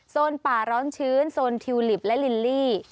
ป่าร้อนชื้นโซนทิวลิปและลิลลี่